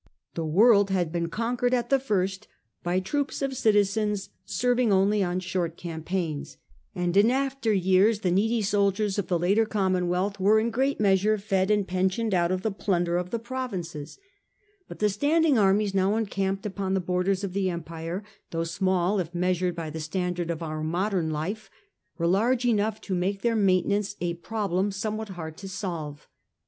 The world had been conquered at the first by troops of citizens, serving only on short campaigns ; and in after years the needy soldiers of the later commonwealth were in great measure fed and pensioned out of the plunder of the provinces : but the standing armies now encamped upon the borders of the empire, though small if measured by the standard of our modern life, were large enough to make their maintenance a problem somewhat hard to solve.